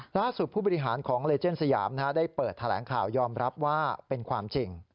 ผู้บริหารของเลเจนสยามได้เปิดแถลงข่าวยอมรับว่าเป็นความจริง